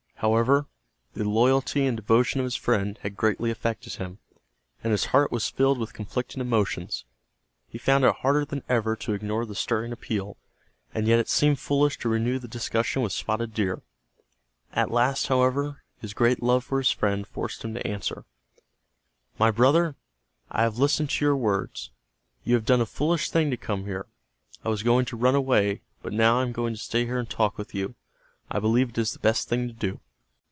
However, the loyalty and devotion of his friend had greatly affected him, and his heart was filled with conflicting emotions. He found it harder than ever to ignore the stirring appeal, and yet it seemed foolish to renew the discussion with Spotted Deer. At last, however, his great love for his friend forced him to answer. "My brother, I have listened to your words. You have done a foolish thing to come here. I was going to run away, but now I am going to stay here and talk with you. I believe it is the best thing to do."